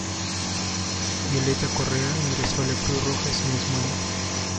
Violeta Correa ingresó a la Cruz Roja ese mismo año.